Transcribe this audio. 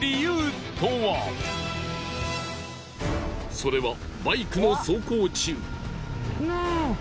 それはバイクの走行中。